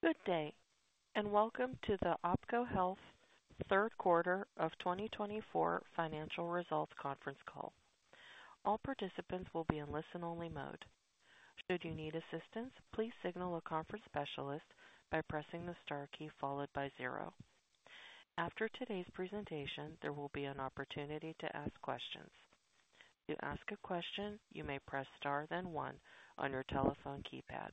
Good day, and welcome to the OPKO Health Third Quarter Of 2024 Financial Results Conference Call. All participants will be in listen-only mode. Should you need assistance, please signal a conference specialist by pressing the star key followed by zero. After today's presentation, there will be an opportunity to ask questions. To ask a question, you may press star then one on your telephone keypad.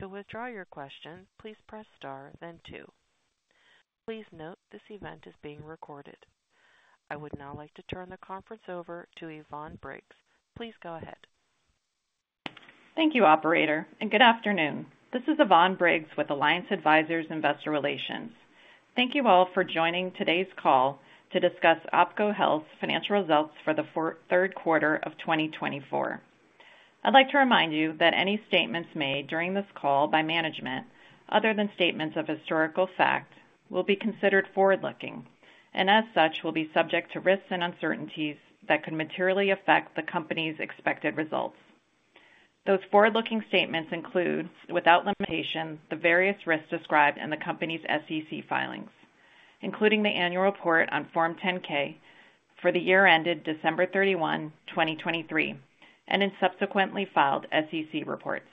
To withdraw your question, please press star then two. Please note this event is being recorded. I would now like to turn the conference over to Yvonne Briggs. Please go ahead. Thank you, Operator, and good afternoon. This is Yvonne Briggs with Alliance Advisors Investor Relations. Thank you all for joining today's call to discuss OPKO Health's Financial Results For The Third Quarter Of 2024. I'd like to remind you that any statements made during this call by management, other than statements of historical fact, will be considered forward-looking and, as such, will be subject to risks and uncertainties that could materially affect the company's expected results. Those forward-looking statements include, without limitation, the various risks described in the company's SEC filings, including the annual report on Form 10-K for the year ended December 31, 2023, and in subsequently filed SEC reports.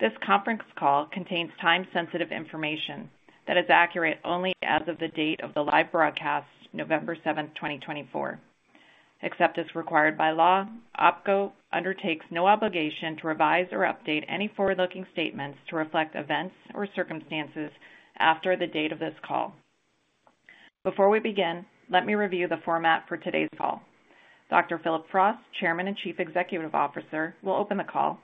This conference call contains time-sensitive information that is accurate only as of the date of the live broadcast, November 7, 2024. Except as required by law, OPKO undertakes no obligation to revise or update any forward-looking statements to reflect events or circumstances after the date of this call. Before we begin, let me review the format for today's call. Dr. Phillip Frost, Chairman and Chief Executive Officer, will open the call.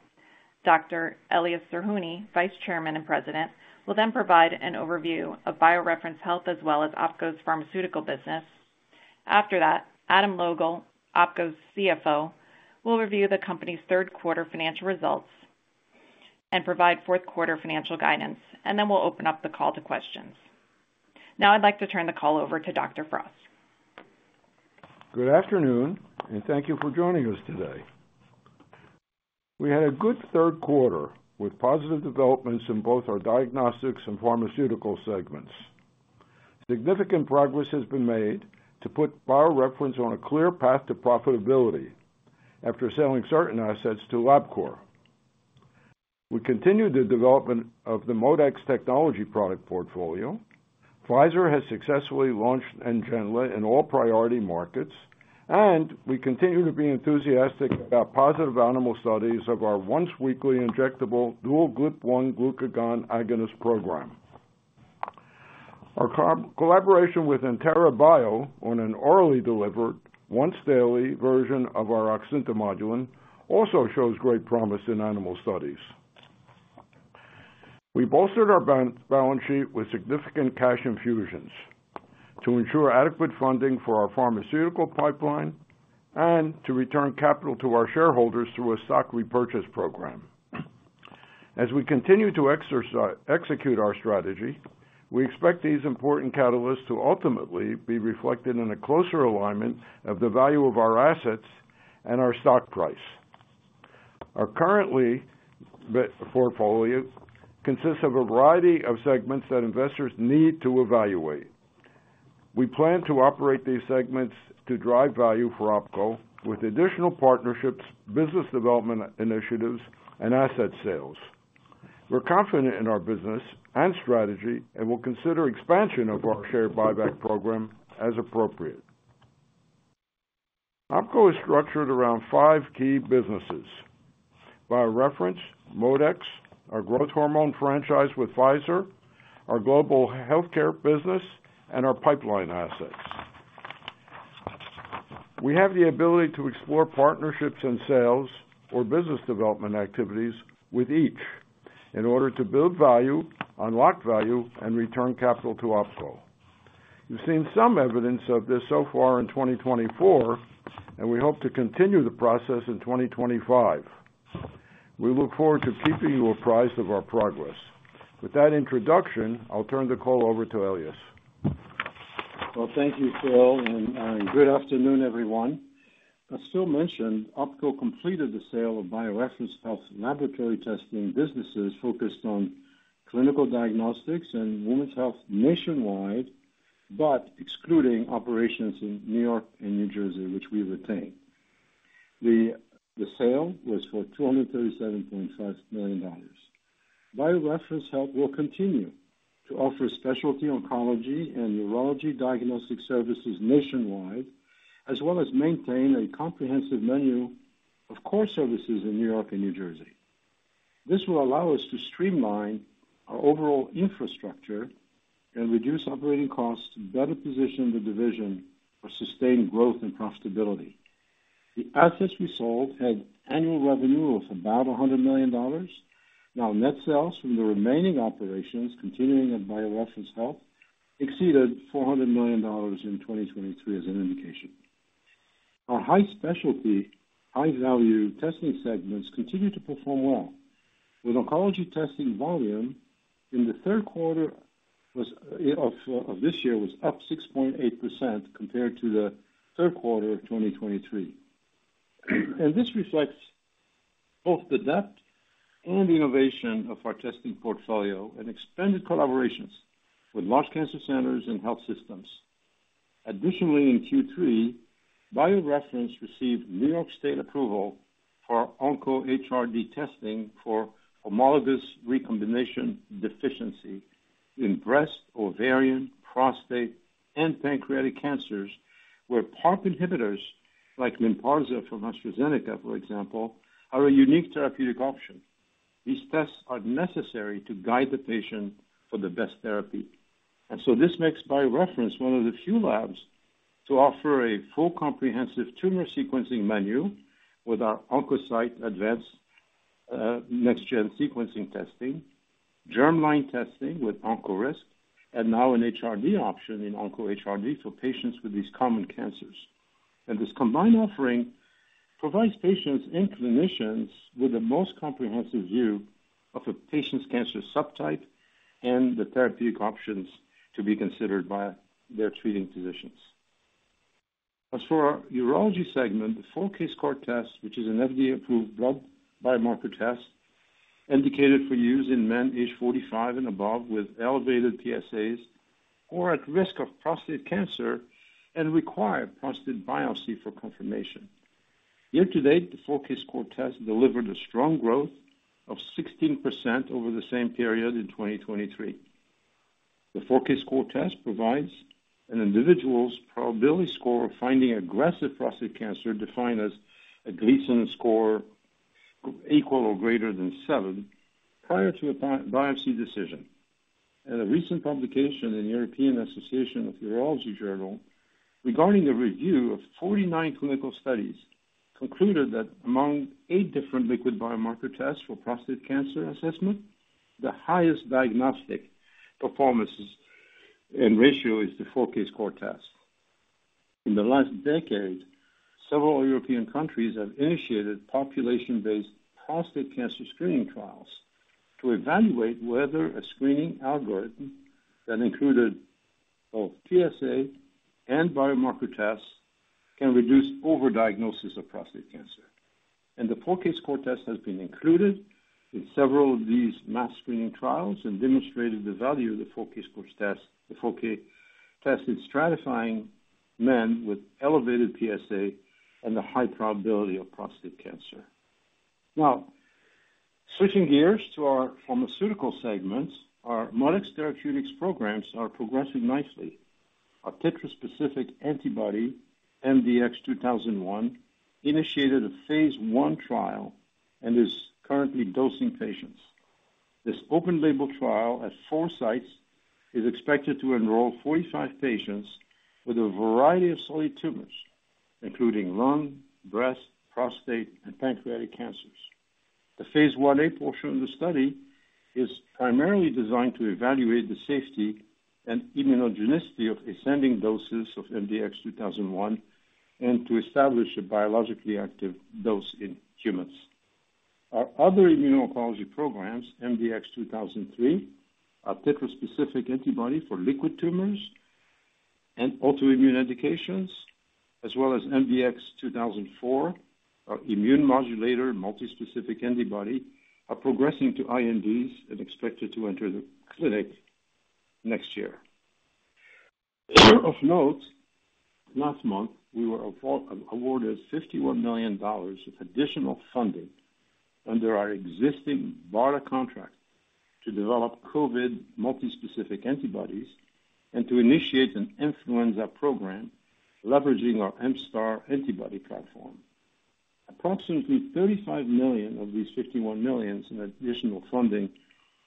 Dr. Elias Zerhouni, Vice Chairman and President, will then provide an overview of BioReference Health as well as OPKO's pharmaceutical business. After that, Adam Logal, OPKO's CFO, will review the company's third quarter financial results and provide fourth quarter financial guidance, and then we'll open up the call to questions. Now I'd like to turn the call over to Dr. Frost. Good afternoon, and thank you for joining us today. We had a good third quarter with positive developments in both our diagnostics and pharmaceutical segments. Significant progress has been made to put BioReference on a clear path to profitability after selling certain assets to Labcorp. We continue the development of the ModeX technology product portfolio. Pfizer has successfully launched NGENLA in all priority markets, and we continue to be enthusiastic about positive animal studies of our once-weekly injectable dual-glucagon agonist program. Our collaboration with Entera Bio on an orally delivered, once-daily version of our oxyntomodulin also shows great promise in animal studies. We bolstered our balance sheet with significant cash infusions to ensure adequate funding for our pharmaceutical pipeline and to return capital to our shareholders through a stock repurchase program. As we continue to execute our strategy, we expect these important catalysts to ultimately be reflected in a closer alignment of the value of our assets and our stock price. Our current portfolio consists of a variety of segments that investors need to evaluate. We plan to operate these segments to drive value for OPKO with additional partnerships, business development initiatives, and asset sales. We're confident in our business and strategy and will consider expansion of our share buyback program as appropriate. OPKO is structured around five key businesses: BioReference, ModeX, our growth hormone franchise with Pfizer, our global healthcare business, and our pipeline assets. We have the ability to explore partnerships and sales or business development activities with each in order to build value, unlock value, and return capital to OPKO. You've seen some evidence of this so far in 2024, and we hope to continue the process in 2025. We look forward to keeping you apprised of our progress. With that introduction, I'll turn the call over to Elias. Thank you, Phil, and good afternoon, everyone. As Phil mentioned, OPKO completed the sale of BioReference Health laboratory testing businesses focused on clinical diagnostics and women's health nationwide, but excluding operations in New York and New Jersey, which we retain. The sale was for $237.5 million. BioReference Health will continue to offer specialty oncology and urology diagnostic services nationwide, as well as maintain a comprehensive menu of core services in New York and New Jersey. This will allow us to streamline our overall infrastructure and reduce operating costs, better position the division, or sustain growth and profitability. The assets we sold had annual revenue of about $100 million. Now, net sales from the remaining operations continuing at BioReference Health exceeded $400 million in 2023 as an indication. Our high specialty, high-value testing segments continue to perform well, with oncology testing volume in the third quarter of this year up 6.8% compared to the third quarter of 2023, and this reflects both the depth and innovation of our testing portfolio and expanded collaborations with large cancer centers and health systems. Additionally, in Q3, BioReference received New York State approval for OnkoHRD testing for homologous recombination deficiency in breast, ovarian, prostate, and pancreatic cancers, where PARP inhibitors like Lynparza from AstraZeneca, for example, are a unique therapeutic option. These tests are necessary to guide the patient for the best therapy, and so this makes BioReference one of the few labs to offer a full comprehensive tumor sequencing menu with our OnkoSight Advanced next-gen sequencing testing, germline testing with OnkoRisk, and now an HRD option in OnkoHRD for patients with these common cancers. And this combined offering provides patients and clinicians with the most comprehensive view of a patient's cancer subtype and the therapeutic options to be considered by their treating physicians. As for our urology segment, the 4Kscore Test, which is an FDA-approved blood biomarker test indicated for use in men age 45 and above with elevated PSAs or at risk of prostate cancer and require prostate biopsy for confirmation. Year to date, the 4Kscore Test delivered a strong growth of 16% over the same period in 2023. The 4Kscore Test provides an individual's probability score of finding aggressive prostate cancer defined as a Gleason score equal or greater than seven prior to a biopsy decision. A recent publication in the European Association of Urology journal regarding the review of 49 clinical studies concluded that among eight different liquid biomarker tests for prostate cancer assessment, the highest diagnostic performance and ratio is the 4Kscore Test. In the last decade, several European countries have initiated population-based prostate cancer screening trials to evaluate whether a screening algorithm that included both PSA and biomarker tests can reduce overdiagnosis of prostate cancer. The 4Kscore Test has been included in several of these mass screening trials and demonstrated the value of the 4Kscore Test, the 4Kscore Test in stratifying men with elevated PSA and the high probability of prostate cancer. Now, switching gears to our pharmaceutical segments, our ModeX Therapeutics programs are progressing nicely. Our tetra-specific antibody, MDX2001, initiated a phase I trial and is currently dosing patients. This open-label trial at four sites is expected to enroll 45 patients with a variety of solid tumors, including lung, breast, prostate, and pancreatic cancers. The phase 1a portion of the study is primarily designed to evaluate the safety and immunogenicity of ascending doses of MDX2001 and to establish a biologically active dose in humans. Our other immuno-oncology programs, MDX2003, our tetra-specific antibody for liquid tumors and autoimmune indications, as well as MDX2004, our immune modulator multi-specific antibody, are progressing to INDs and expected to enter the clinic next year. Of note, last month, we were awarded $51 million of additional funding under our existing BARDA contract to develop COVID multi-specific antibodies and to initiate an influenza program leveraging our MSTAR antibody platform. Approximately $35 million of these $51 million in additional funding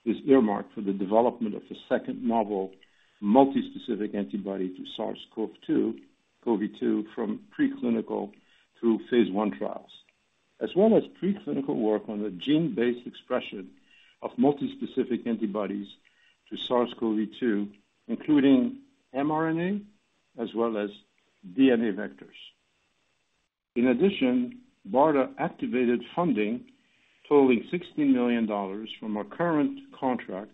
is earmarked for the development of a second novel multi-specific antibody to SARS-CoV-2, COVID-19, from preclinical through phase I trials, as well as preclinical work on the gene-based expression of multi-specific antibodies to SARS-CoV-2, including mRNA as well as DNA vectors. In addition, BARDA activated funding totaling $16 million from our current contract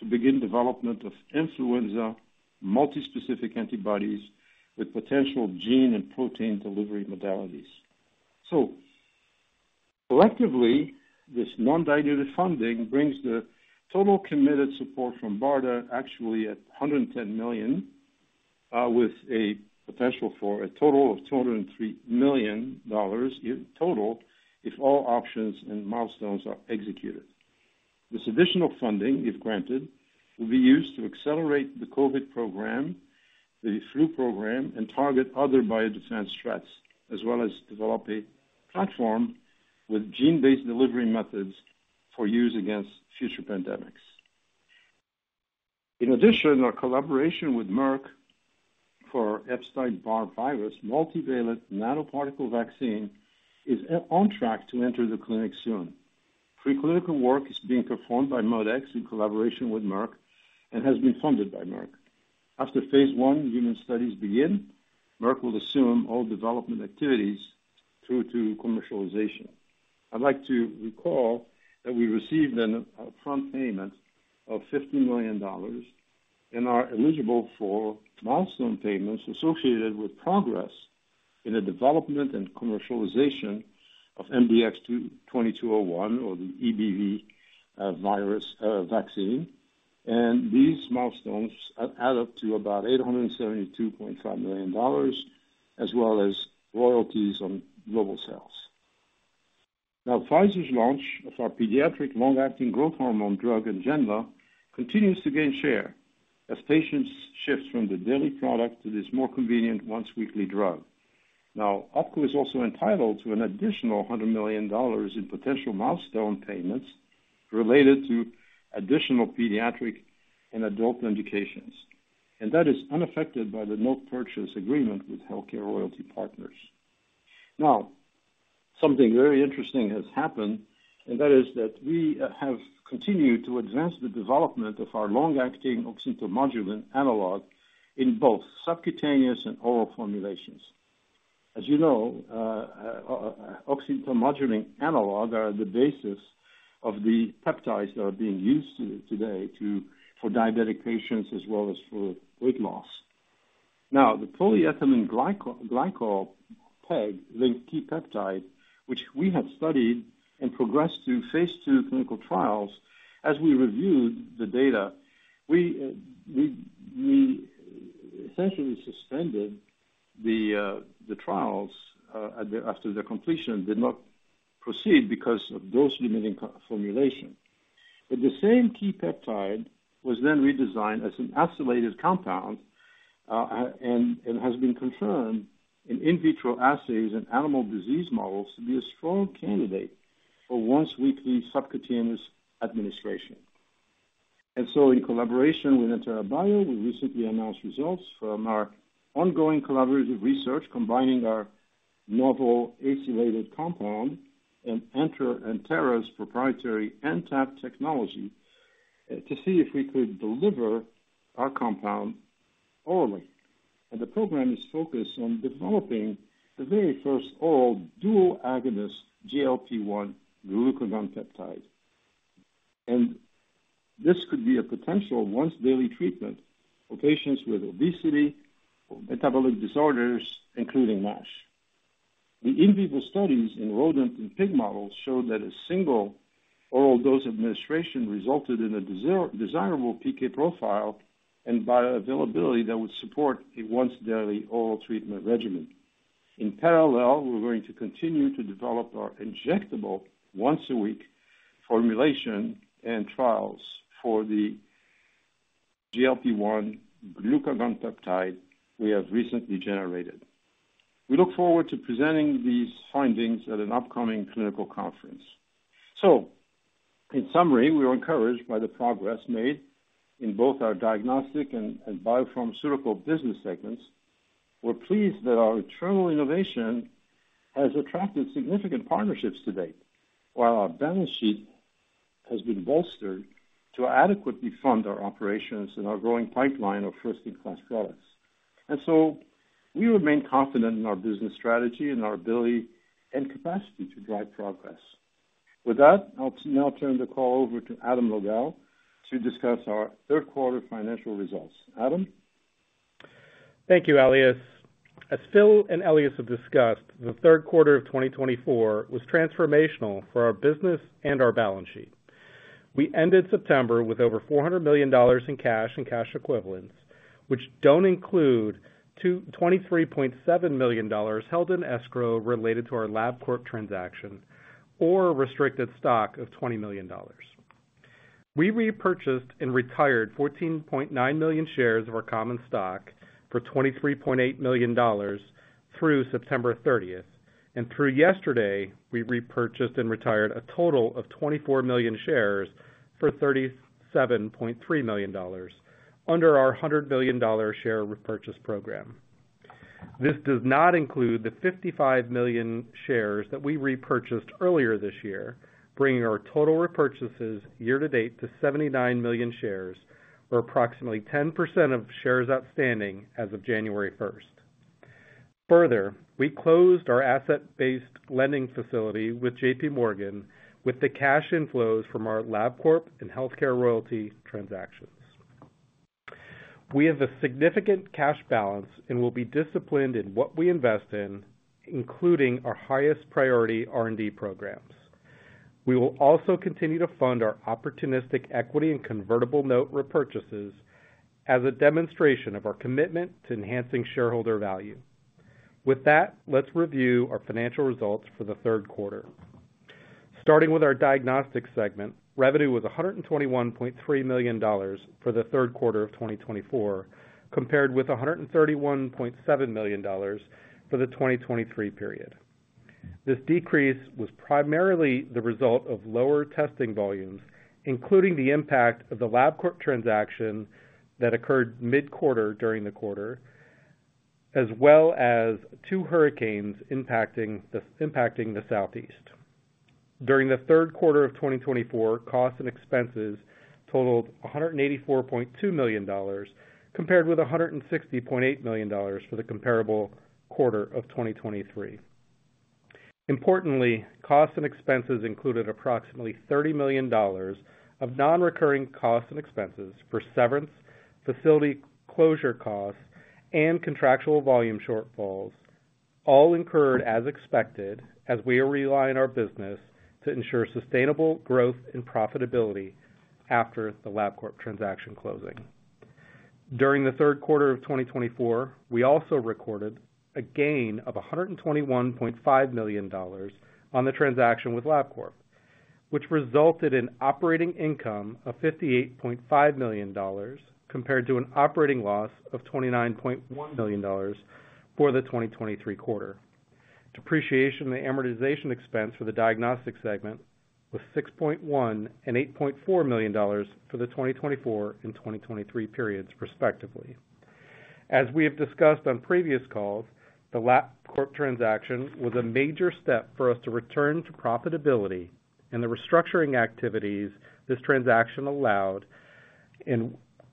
to begin development of influenza multi-specific antibodies with potential gene and protein delivery modalities. So collectively, this non-dilutive funding brings the total committed support from BARDA actually at $110 million, with a potential for a total of $203 million in total if all options and milestones are executed. This additional funding, if granted, will be used to accelerate the COVID program, the flu program, and target other biodefense threats, as well as develop a platform with gene-based delivery methods for use against future pandemics. In addition, our collaboration with Merck for Epstein-Barr virus multi-valent nanoparticle vaccine is on track to enter the clinic soon. Preclinical work is being performed by ModeX in collaboration with Merck and has been funded by Merck. After phase I human studies begin, Merck will assume all development activities through to commercialization. I'd like to recall that we received an upfront payment of $15 million and are eligible for milestone payments associated with progress in the development and commercialization of MDX2001 or the EBV virus vaccine, and these milestones add up to about $872.5 million, as well as royalties on global sales. Now, Pfizer's launch of our pediatric long-acting growth hormone drug, NGENLA, continues to gain share as patients shift from the daily product to this more convenient once-weekly drug. Now, OPKO is also entitled to an additional $100 million in potential milestone payments related to additional pediatric and adult indications. And that is unaffected by the royalty purchase agreement with HealthCare Royalty Partners. Now, something very interesting has happened, and that is that we have continued to advance the development of our long-acting oxyntomodulin analog in both subcutaneous and oral formulations. As you know, oxyntomodulin analogs are the basis of the peptides that are being used today for diabetic patients as well as for weight loss. Now, the polyethylene glycol PEG-linked GLP peptide, which we have studied and progressed to phase two clinical trials, as we reviewed the data, we essentially suspended the trials after their completion and did not proceed because of dose-limiting formulation. But the same key peptide was then redesigned as an acylated compound and has been confirmed in vitro assays and animal disease models to be a strong candidate for once-weekly subcutaneous administration. And so, in collaboration with Entera Bio, we recently announced results for our ongoing collaborative research combining our novel acylated compound and Entera Bio's proprietary N-Tab technology to see if we could deliver our compound orally. And the program is focused on developing the very first oral dual agonist GLP-1 glucagon peptide. And this could be a potential once-daily treatment for patients with obesity or metabolic disorders, including NASH. The in vivo studies in rodent and pig models showed that a single oral dose administration resulted in a desirable PK profile and bioavailability that would support a once-daily oral treatment regimen. In parallel, we're going to continue to develop our injectable once-a-week formulation and trials for the GLP-1 glucagon peptide we have recently generated. We look forward to presenting these findings at an upcoming clinical conference. So, in summary, we are encouraged by the progress made in both our diagnostic and biopharmaceutical business segments. We're pleased that our internal innovation has attracted significant partnerships to date, while our balance sheet has been bolstered to adequately fund our operations and our growing pipeline of first-in-class products. And so, we remain confident in our business strategy and our ability and capacity to drive progress. With that, I'll now turn the call over to Adam Logal to discuss our third quarter financial results. Adam. Thank you, Elias. As Phil and Elias have discussed, the third quarter of 2024 was transformational for our business and our balance sheet. We ended September with over $400 million in cash and cash equivalents, which don't include $23.7 million held in escrow related to our Labcorp transaction or restricted stock of $20 million. We repurchased and retired 14.9 million shares of our common stock for $23.8 million through September 30th, and through yesterday, we repurchased and retired a total of 24 million shares for $37.3 million under our $100 million share repurchase program. This does not include the 55 million shares that we repurchased earlier this year, bringing our total repurchases year to date to 79 million shares, or approximately 10% of shares outstanding as of January 1st. Further, we closed our asset-based lending facility with JPMorgan with the cash inflows from our Labcorp and healthcare royalty transactions. We have a significant cash balance and will be disciplined in what we invest in, including our highest priority R&D programs. We will also continue to fund our opportunistic equity and convertible note repurchases as a demonstration of our commitment to enhancing shareholder value. With that, let's review our financial results for the third quarter. Starting with our diagnostic segment, revenue was $121.3 million for the third quarter of 2024, compared with $131.7 million for the 2023 period. This decrease was primarily the result of lower testing volumes, including the impact of the Labcorp transaction that occurred mid-quarter during the quarter, as well as two hurricanes impacting the southeast. During the third quarter of 2024, costs and expenses totaled $184.2 million, compared with $160.8 million for the comparable quarter of 2023. Importantly, costs and expenses included approximately $30 million of non-recurring costs and expenses for severance, facility closure costs, and contractual volume shortfalls, all incurred as expected as we are relying on our business to ensure sustainable growth and profitability after the Labcorp transaction closing. During the third quarter of 2024, we also recorded a gain of $121.5 million on the transaction with Labcorp, which resulted in operating income of $58.5 million compared to an operating loss of $29.1 million for the 2023 quarter. Depreciation and amortization expense for the diagnostic segment was $6.1 and $8.4 million for the 2024 and 2023 periods, respectively. As we have discussed on previous calls, the Labcorp transaction was a major step for us to return to profitability, and the restructuring activities this transaction allowed,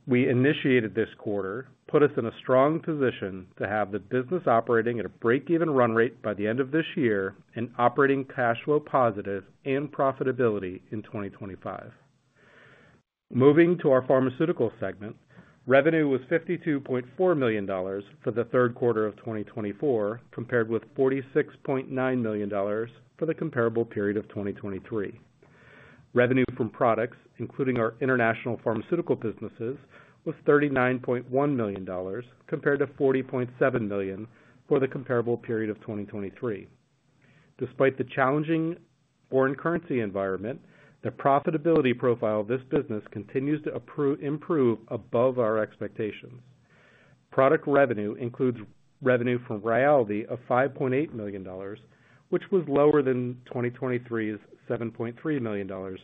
we initiated this quarter put us in a strong position to have the business operating at a break-even run rate by the end of this year and operating cash flow positive and profitability in 2025. Moving to our pharmaceutical segment, revenue was $52.4 million for the third quarter of 2024, compared with $46.9 million for the comparable period of 2023. Revenue from products, including our international pharmaceutical businesses, was $39.1 million compared to $40.7 million for the comparable period of 2023. Despite the challenging foreign currency environment, the profitability profile of this business continues to improve above our expectations. Product revenue includes revenue from Rayaldee of $5.8 million, which was lower than 2023's $7.3 million,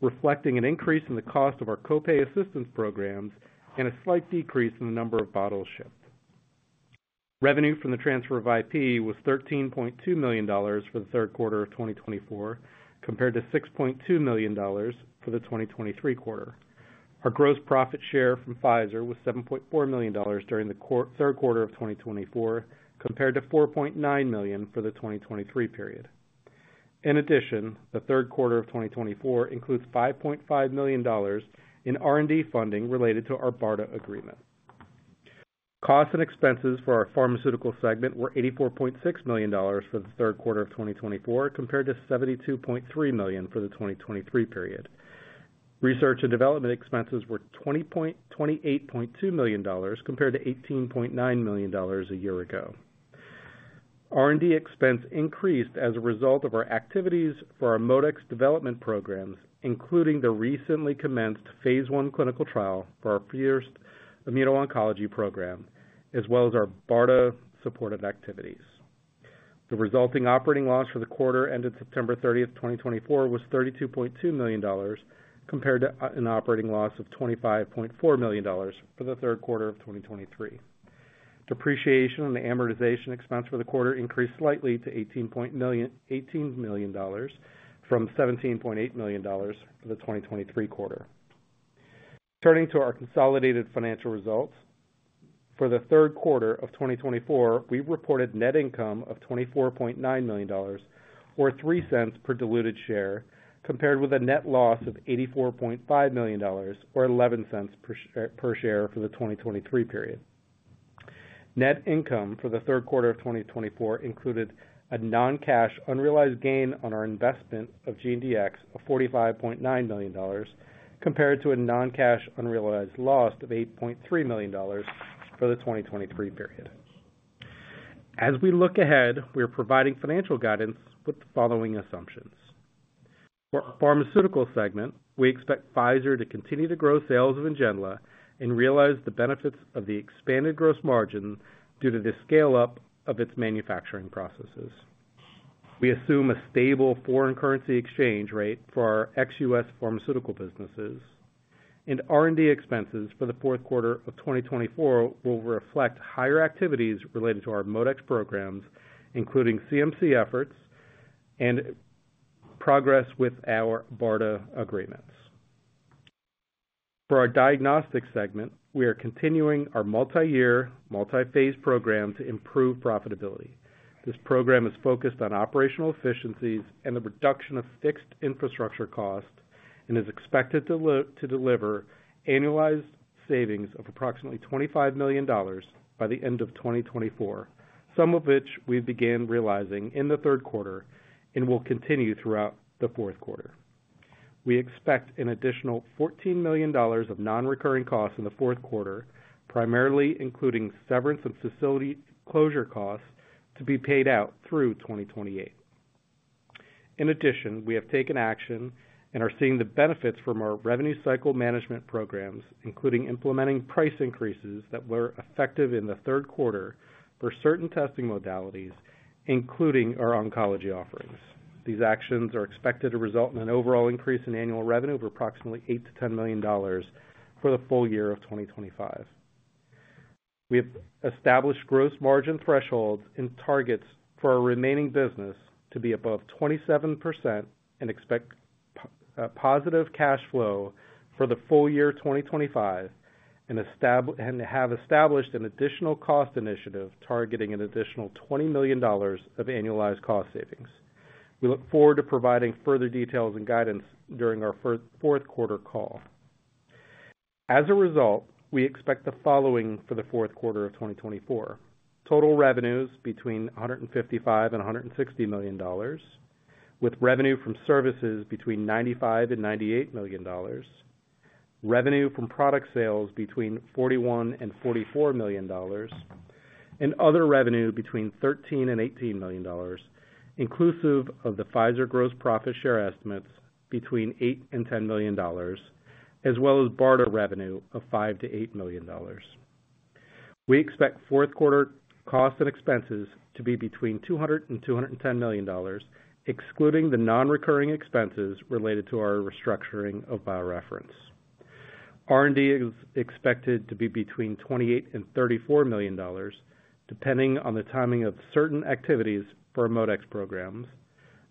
reflecting an increase in the cost of our copay assistance programs and a slight decrease in the number of bottles shipped. Revenue from the transfer of IP was $13.2 million for the third quarter of 2024, compared to $6.2 million for the 2023 quarter. Our gross profit share from Pfizer was $7.4 million during the third quarter of 2024, compared to $4.9 million for the 2023 period. In addition, the third quarter of 2024 includes $5.5 million in R&D funding related to our BARDA agreement. Costs and expenses for our pharmaceutical segment were $84.6 million for the third quarter of 2024, compared to $72.3 million for the 2023 period. Research and development expenses were $28.2 million compared to $18.9 million a year ago. R&D expense increased as a result of our activities for our ModeX development programs, including the recently commenced phase one clinical trial for our first immuno-oncology program, as well as our BARDA-supported activities. The resulting operating loss for the quarter ended September 30th, 2024, was $32.2 million, compared to an operating loss of $25.4 million for the third quarter of 2023. Depreciation and amortization expense for the quarter increased slightly to $18 million, from $17.8 million for the 2023 quarter. Turning to our consolidated financial results, for the third quarter of 2024, we reported net income of $24.9 million, or $0.03 per diluted share, compared with a net loss of $84.5 million, or $0.11 per share for the 2023 period. Net income for the third quarter of 2024 included a non-cash unrealized gain on our investment of GeneDx of $45.9 million, compared to a non-cash unrealized loss of $8.3 million for the 2023 period. As we look ahead, we are providing financial guidance with the following assumptions. For our pharmaceutical segment, we expect Pfizer to continue to grow sales of NGENLA and realize the benefits of the expanded gross margin due to the scale-up of its manufacturing processes. We assume a stable foreign currency exchange rate for our ex-U.S. pharmaceutical businesses, and R&D expenses for the fourth quarter of 2024 will reflect higher activities related to our ModeX programs, including CMC efforts and progress with our BARDA agreements. For our diagnostic segment, we are continuing our multi-year, multi-phase program to improve profitability. This program is focused on operational efficiencies and the reduction of fixed infrastructure costs and is expected to deliver annualized savings of approximately $25 million by the end of 2024, some of which we began realizing in the third quarter and will continue throughout the fourth quarter. We expect an additional $14 million of non-recurring costs in the fourth quarter, primarily including severance and facility closure costs, to be paid out through 2028. In addition, we have taken action and are seeing the benefits from our revenue cycle management programs, including implementing price increases that were effective in the third quarter for certain testing modalities, including our oncology offerings. These actions are expected to result in an overall increase in annual revenue of approximately $8 million-$10 million for the full year of 2025. We have established gross margin thresholds and targets for our remaining business to be above 27% and expect positive cash flow for the full year 2025 and have established an additional cost initiative targeting an additional $20 million of annualized cost savings. We look forward to providing further details and guidance during our fourth quarter call. As a result, we expect the following for the fourth quarter of 2024: total revenues between $155 million and $160 million, with revenue from services between $95 million and $98 million, revenue from product sales between $41 million and $44 million, and other revenue between $13 million and $18 million, inclusive of the Pfizer gross profit share estimates between $8 and $10 million, as well as BARDA revenue of $5 million-$8 million. We expect fourth quarter costs and expenses to be between $200 million and $210 million, excluding the non-recurring expenses related to our restructuring of BioReference. R&D is expected to be between $28 million-$34 million, depending on the timing of certain activities for ModeX programs,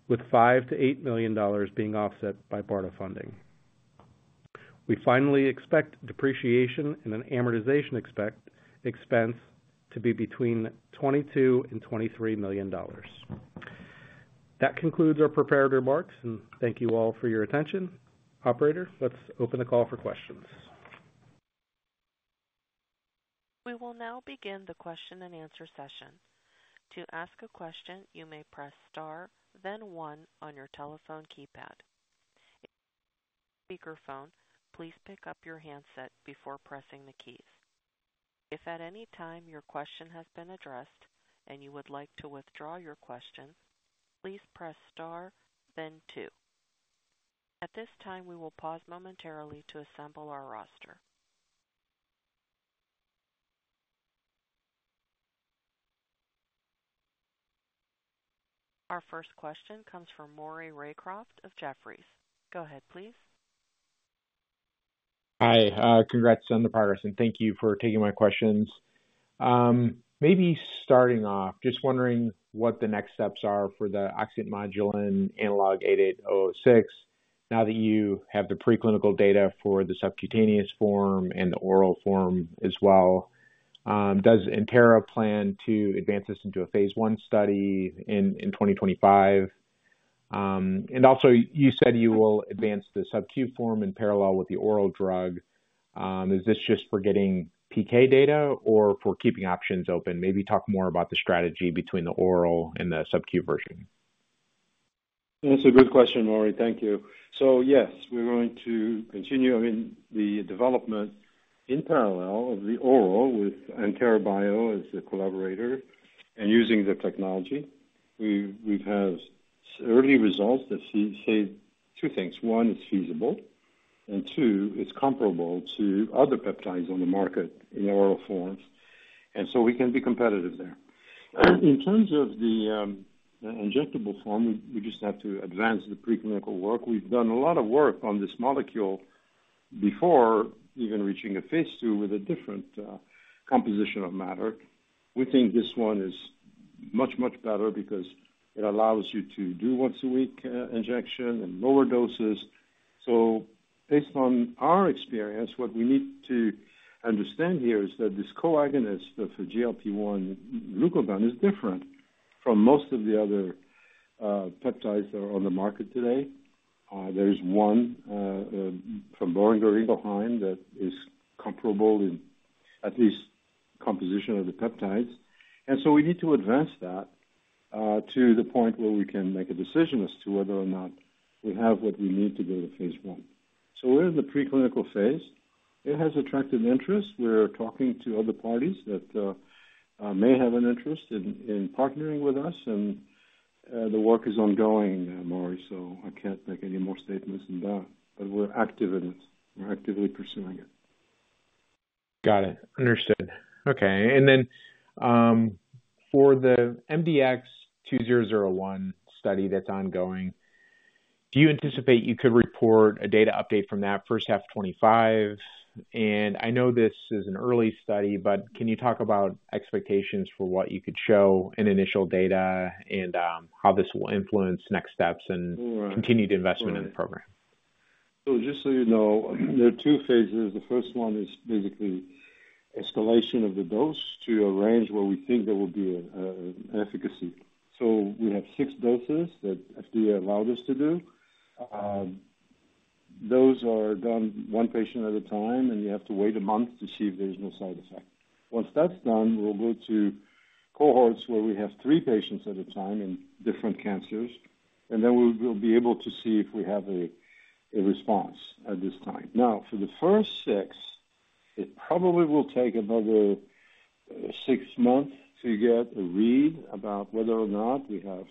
with $5 million-$8 million being offset by BARDA funding. We finally expect depreciation and amortization expense to be between $22 million-$23 million. That concludes our prepared remarks, and thank you all for your attention. Operator, let's open the call for questions. We will now begin the question and answer session. To ask a question, you may press star, then one on your telephone keypad. If you have a speakerphone, please pick up your handset before pressing the keys. If at any time your question has been addressed and you would like to withdraw your question, please press star, then two. At this time, we will pause momentarily to assemble our roster. Our first question comes from Maury Raycroft of Jefferies. Go ahead, please. Hi. Congrats on the progress, and thank you for taking my questions. Maybe starting off, just wondering what the next steps are for the oxyntomodulin and analog 88006 now that you have the preclinical data for the subcutaneous form and the oral form as well. Does Entera plan to advance this into a phase one study in 2025? And also, you said you will advance the subQ form in parallel with the oral drug. Is this just for getting PK data or for keeping options open? Maybe talk more about the strategy between the oral and the subQ version. That's a good question, Maury. Thank you. So yes, we're going to continue, I mean, the development in parallel of the oral with Entera Bio as a collaborator and using the technology. We have early results that say two things. One, it's feasible, and two, it's comparable to other peptides on the market in oral forms. And so we can be competitive there. In terms of the injectable form, we just have to advance the preclinical work. We've done a lot of work on this molecule before even reaching a phase two with a different composition of matter. We think this one is much, much better because it allows you to do once-a-week injection and lower doses. So based on our experience, what we need to understand here is that this coagonist, the GLP-1 glucagon, is different from most of the other peptides that are on the market today. There's one from Boehringer Ingelheim that is comparable in at least composition of the peptides. And so we need to advance that to the point where we can make a decision as to whether or not we have what we need to go to phase one. So we're in the preclinical phase. It has attracted interest. We're talking to other parties that may have an interest in partnering with us, and the work is ongoing, Maury, so I can't make any more statements than that. But we're active in it. We're actively pursuing it. Got it. Understood. Okay. And then for the MDX2001 study that's ongoing, do you anticipate you could report a data update from that first half of 2025? And I know this is an early study, but can you talk about expectations for what you could show in initial data and how this will influence next steps and continued investment in the program? So just so you know, there are two phases. The first one is basically escalation of the dose to a range where we think there will be an efficacy. So we have six doses that FDA allowed us to do. Those are done one patient at a time, and you have to wait a month to see if there's no side effect. Once that's done, we'll go to cohorts where we have three patients at a time in different cancers, and then we will be able to see if we have a response at this time. Now, for the first six, it probably will take another six months to get a read about whether or not we have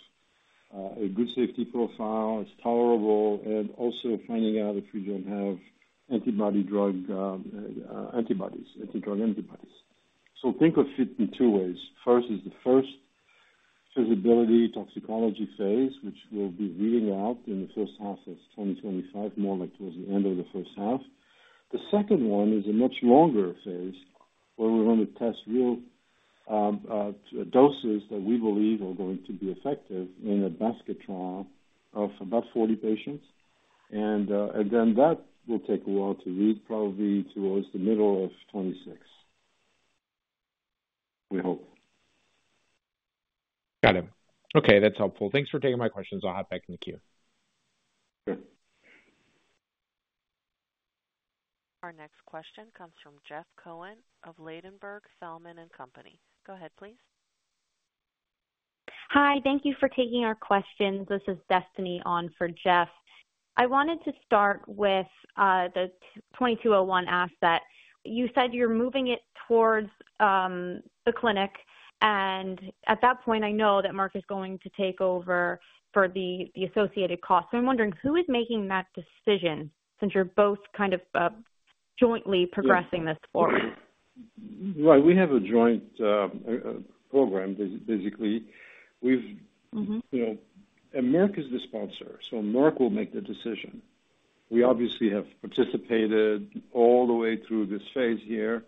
a good safety profile, it's tolerable, and also finding out if we don't have antibody drug antibodies, anti-drug antibodies. So think of it in two ways. First is the first feasibility toxicology phase, which we'll be reading out in the first half of 2025, more like towards the end of the first half. The second one is a much longer phase where we're going to test real doses that we believe are going to be effective in a basket trial of about 40 patients. And then that will take a while to read, probably towards the middle of 2026, we hope. Got it. Okay. That's helpful. Thanks for taking my questions. I'll hop back in the queue. Sure. Our next question comes from Jeff Cohen of Ladenburg Thalmann. Go ahead, please. Hi. Thank you for taking our questions. This is Destiny on for Jeff. I wanted to start with the MDX2001 asset. You said you're moving it towards the clinic, and at that point, I know that Merck is going to take over for the associated costs. So I'm wondering, who is making that decision since you're both kind of jointly progressing this forward? Right. We have a joint program, basically, and Merck is the sponsor, so Merck will make the decision. We obviously have participated all the way through this phase here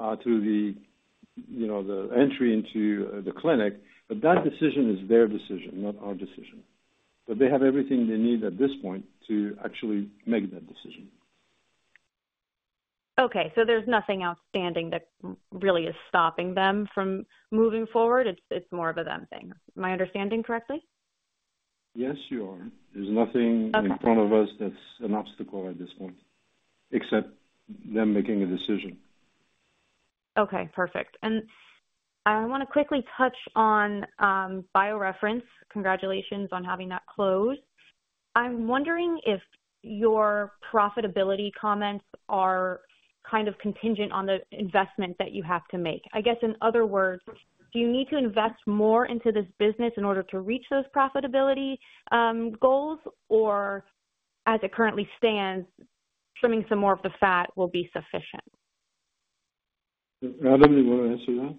to the entry into the clinic, but that decision is their decision, not our decision. But they have everything they need at this point to actually make that decision. Okay. So there's nothing outstanding that really is stopping them from moving forward. It's more of a them thing. Am I understanding correctly? Yes, you are. There's nothing in front of us that's an obstacle at this point, except them making a decision. Okay. Perfect. I want to quickly touch on BioReference. Congratulations on having that closed. I'm wondering if your profitability comments are kind of contingent on the investment that you have to make. I guess, in other words, do you need to invest more into this business in order to reach those profitability goals, or as it currently stands, trimming some more of the fat will be sufficient? Adam, you want to answer that?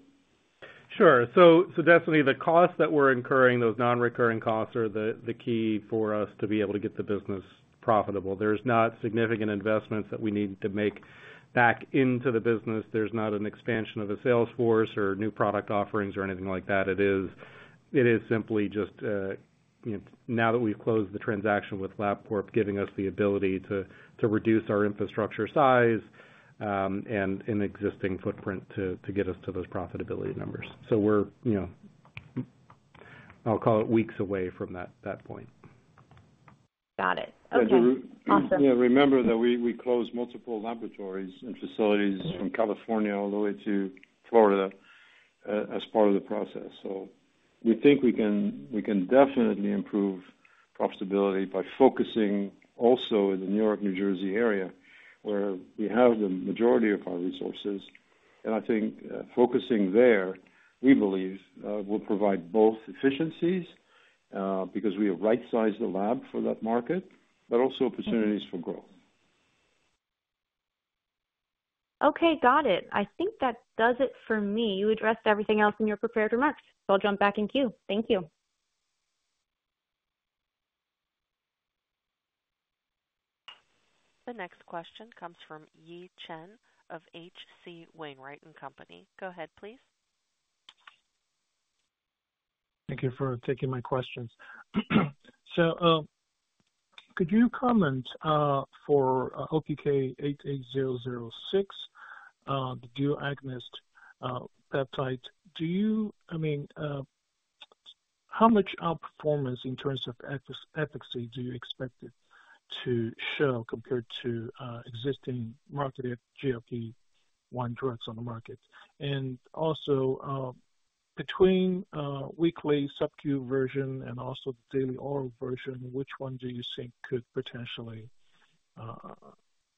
Sure. So definitely, the costs that we're incurring, those non-recurring costs, are the key for us to be able to get the business profitable. There's not significant investments that we need to make back into the business. There's not an expansion of a sales force or new product offerings or anything like that. It is simply just now that we've closed the transaction with Labcorp giving us the ability to reduce our infrastructure size and existing footprint to get us to those profitability numbers. So we're, I'll call it, weeks away from that point. Got it. Okay. Awesome. Yeah. Remember that we closed multiple laboratories and facilities from California all the way to Florida as part of the process. So we think we can definitely improve profitability by focusing also in the New York, New Jersey area where we have the majority of our resources. And I think focusing there, we believe, will provide both efficiencies because we have right-sized the lab for that market, but also opportunities for growth. Okay. Got it. I think that does it for me. You addressed everything else in your prepared remarks. So I'll jump back in queue. Thank you. The next question comes from Yi Chen of H.C. Wainwright & Co. Go ahead, please. Thank you for taking my questions. So could you comment for OPK-88006, the dual agonist peptide? I mean, how much outperformance in terms of efficacy do you expect it to show compared to existing marketed GLP-1 drugs on the market? And also, between weekly subQ version and also the daily oral version, which one do you think could potentially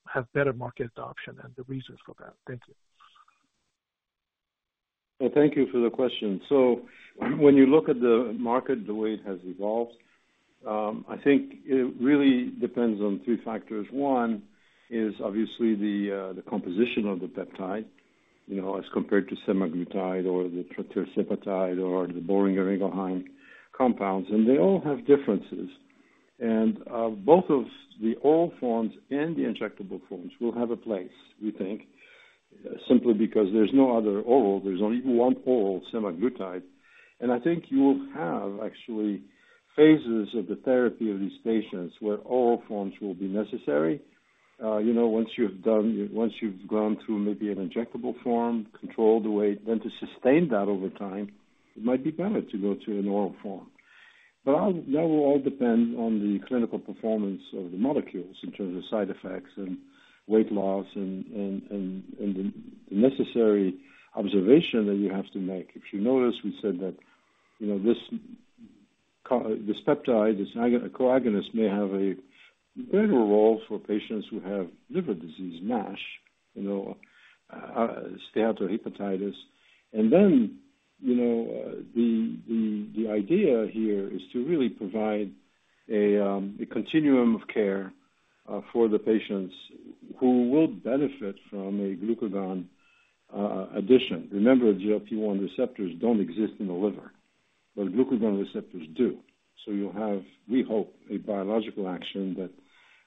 have better market adoption and the reasons for that? Thank you. Thank you for the question. So when you look at the market, the way it has evolved, I think it really depends on three factors. One is obviously the composition of the peptide as compared to semaglutide or the tirzepatide or the Boehringer Ingelheim compounds, and they all have differences. And both of the oral forms and the injectable forms will have a place, we think, simply because there's no other oral. There's only one oral semaglutide. And I think you will have actually phases of the therapy of these patients where oral forms will be necessary. Once you've gone through maybe an injectable form, controlled the weight, then to sustain that over time, it might be better to go to an oral form. But that will all depend on the clinical performance of the molecules in terms of side effects and weight loss and the necessary observation that you have to make. If you notice, we said that this peptide, this coagonist, may have a greater role for patients who have liver disease, NASH, steatohepatitis. And then the idea here is to really provide a continuum of care for the patients who will benefit from a glucagon addition. Remember, GLP-1 receptors don't exist in the liver, but glucagon receptors do. So you'll have, we hope, a biological action that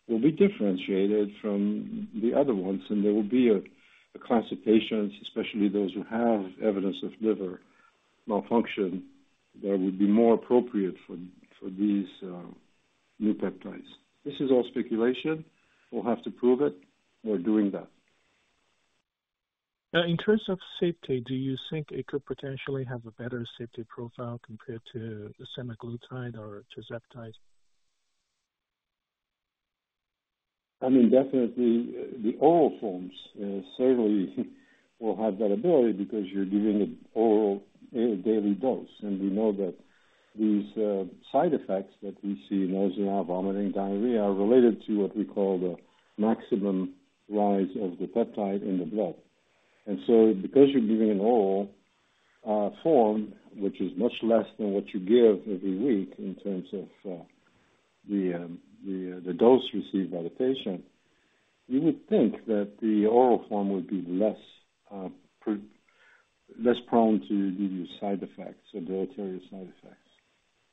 will be differentiated from the other ones, and there will be a class of patients, especially those who have evidence of liver malfunction, that would be more appropriate for these new peptides. This is all speculation. We'll have to prove it. We're doing that. In terms of safety, do you think it could potentially have a better safety profile compared to the semaglutide or tirzepatide? I mean, definitely, the oral forms certainly will have that ability because you're giving an oral daily dose. And we know that these side effects that we see, nausea, vomiting, diarrhea, are related to what we call the maximum rise of the peptide in the blood. And so because you're giving an oral form, which is much less than what you give every week in terms of the dose received by the patient, you would think that the oral form would be less prone to give you side effects, ability to give you side effects.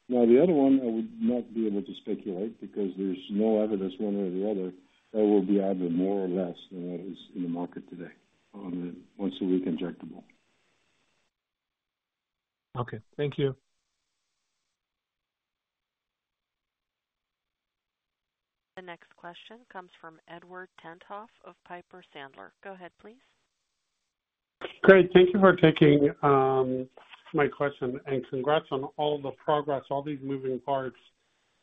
Now, the other one, I would not be able to speculate because there's no evidence one way or the other that it will be either more or less than what is in the market today on the once-a-week injectable. Okay. Thank you. The next question comes from Edward Tenthoff of Piper Sandler. Go ahead, please. Great. Thank you for taking my question and congrats on all the progress, all these moving parts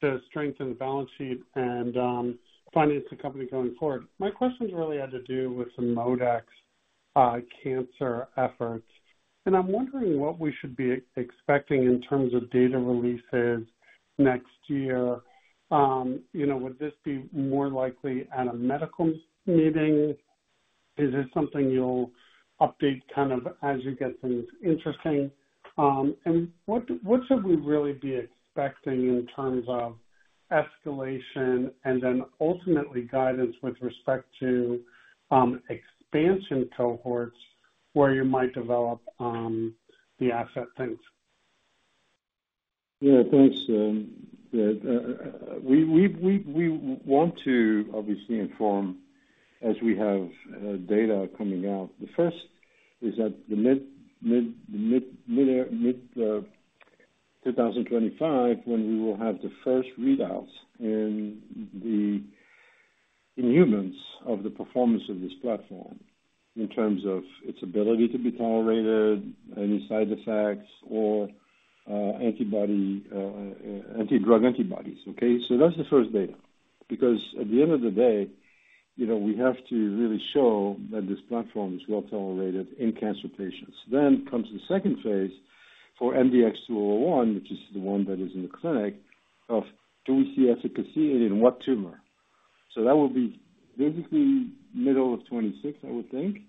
to strengthen the balance sheet and finance the company going forward. My questions really had to do with the ModeX cancer efforts. I'm wondering what we should be expecting in terms of data releases next year. Would this be more likely at a medical meeting? Is this something you'll update kind of as you get things interesting? What should we really be expecting in terms of escalation and then ultimately guidance with respect to expansion cohorts where you might develop the asset things? Yeah. Thanks, Brad. We want to obviously inform as we have data coming out. The first is that the mid-2025, when we will have the first readouts in humans of the performance of this platform in terms of its ability to be tolerated, any side effects, or anti-drug antibodies. Okay? So that's the first data. Because at the end of the day, we have to really show that this platform is well tolerated in cancer patients. Then comes the second phase for MDX2001, which is the one that is in the clinic, of do we see efficacy in what tumor? So that will be basically middle of 2026, I would think.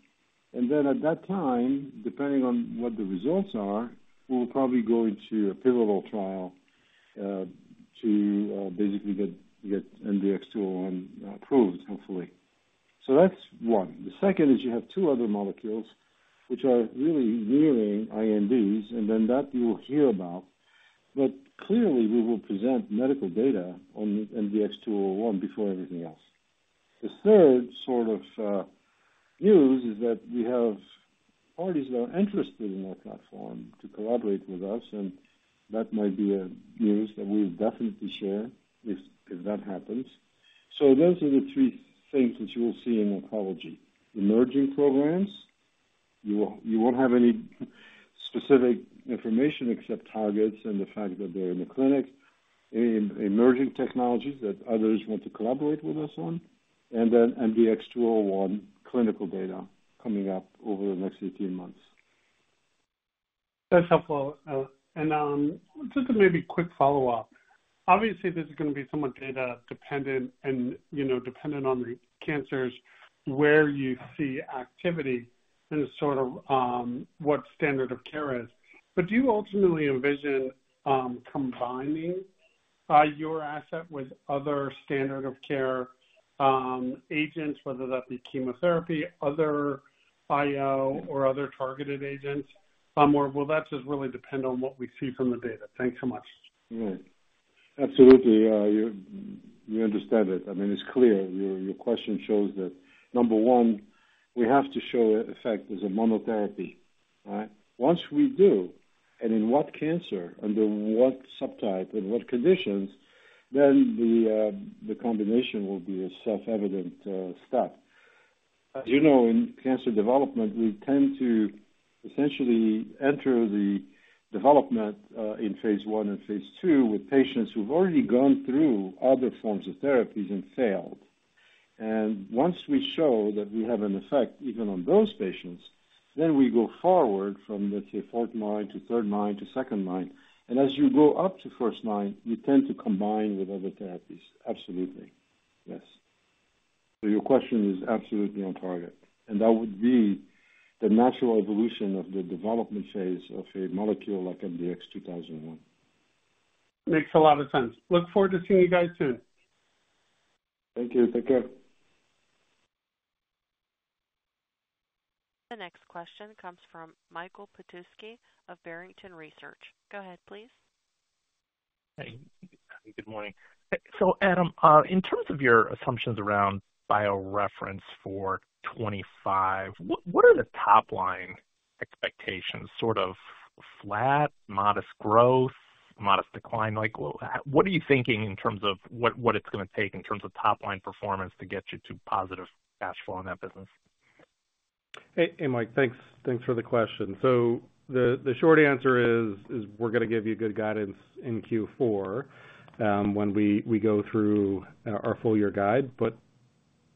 And then at that time, depending on what the results are, we'll probably go into a pivotal trial to basically get MDX2001 approved, hopefully. So that's one. The second is you have two other molecules which are really nearing INDs, and then that you will hear about. But clearly, we will present medical data on MDX2001 before everything else. The third sort of news is that we have parties that are interested in our platform to collaborate with us, and that might be a news that we'll definitely share if that happens. So those are the three things that you will see in oncology. Emerging programs. You won't have any specific information except targets and the fact that they're in the clinic, emerging technologies that others want to collaborate with us on, and then MDX2001 clinical data coming up over the next 18 months. That's helpful. And just a maybe quick follow-up. Obviously, this is going to be somewhat data-dependent and dependent on the cancers where you see activity and sort of what standard of care is. But do you ultimately envision combining your asset with other standard of care agents, whether that be chemotherapy, other IO, or other targeted agents? Or will that just really depend on what we see from the data? Thanks so much. Right. Absolutely. We understand it. I mean, it's clear. Your question shows that, number one, we have to show effect as a monotherapy, right? Once we do, and in what cancer, under what subtype, and what conditions, then the combination will be a self-evident step. As you know, in cancer development, we tend to essentially enter the development in phase one and phase two with patients who've already gone through other forms of therapies and failed. And once we show that we have an effect even on those patients, then we go forward from, let's say, fourth line to third line to second line. And as you go up to first line, you tend to combine with other therapies. Absolutely. Yes. So your question is absolutely on target. And that would be the natural evolution of the development phase of a molecule like MDX2001. Makes a lot of sense. Look forward to seeing you guys soon. Thank you. Take care. The next question comes from Michael Petusky of Barrington Research. Go ahead, please. Hey. Good morning. So Adam, in terms of your assumptions around BioReference for 2025, what are the top-line expectations? Sort of flat, modest growth, modest decline? What are you thinking in terms of what it's going to take in terms of top-line performance to get you to positive cash flow in that business? Hey, Mike. Thanks for the question. So the short answer is we're going to give you good guidance in Q4 when we go through our full-year guide. But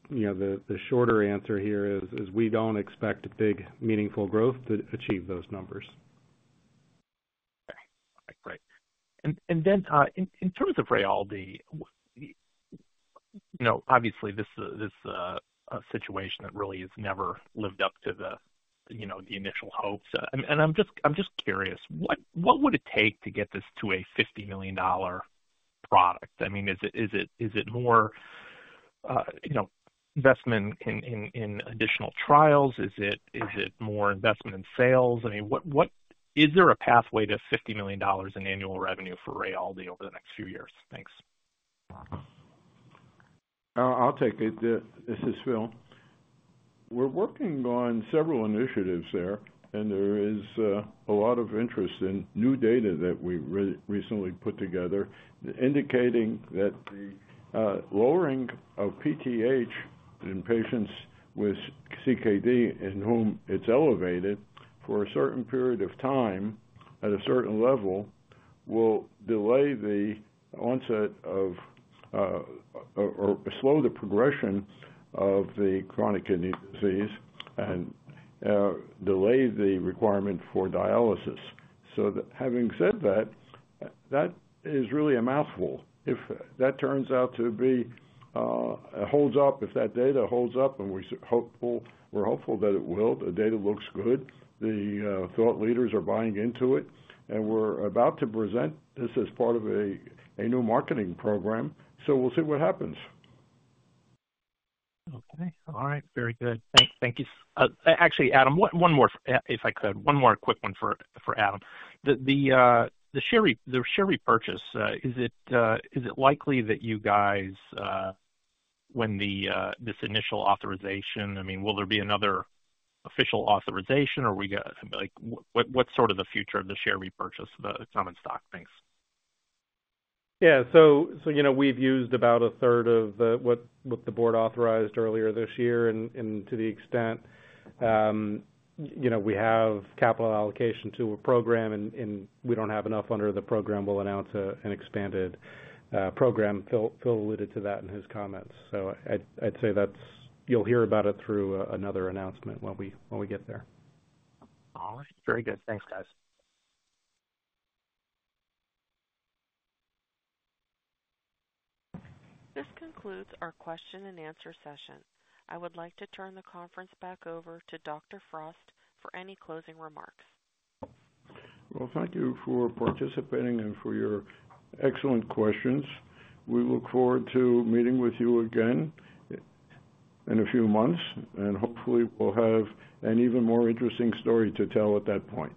the shorter answer here is we don't expect a big meaningful growth to achieve those numbers. Okay. All right. Great. And then in terms of Rayaldee, obviously, this is a situation that really has never lived up to the initial hopes. And I'm just curious, what would it take to get this to a $50 million product? I mean, is it more investment in additional trials? Is it more investment in sales? I mean, is there a pathway to $50 million in annual revenue for Rayaldee over the next few years? Thanks. I'll take it. This is Phil. We're working on several initiatives there, and there is a lot of interest in new data that we recently put together indicating that the lowering of PTH in patients with CKD in whom it's elevated for a certain period of time at a certain level will delay the onset of or slow the progression of the chronic kidney disease and delay the requirement for dialysis. So having said that, that is really a mouthful. If that turns out to hold up, if that data holds up, and we're hopeful that it will, the data looks good, the thought leaders are buying into it, and we're about to present this as part of a new marketing program, so we'll see what happens. Okay. All right. Very good. Thank you. Actually, Adam, one more, if I could, one more quick one for Adam. The share repurchase, is it likely that you guys when this initial authorization, I mean, will there be another official authorization, or what's sort of the future of the share repurchase, the common stock? Thanks. Yeah. So we've used about a third of what the board authorized earlier this year. And to the extent we have capital allocation to a program and we don't have enough under the program, we'll announce an expanded program. Phil alluded to that in his comments. So I'd say you'll hear about it through another announcement when we get there. All right. Very good. Thanks, guys. This concludes our question-and-answer session. I would like to turn the conference back over to Dr. Frost for any closing remarks. Well, thank you for participating and for your excellent questions. We look forward to meeting with you again in a few months, and hopefully, we'll have an even more interesting story to tell at that point.